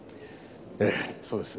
ええそうです。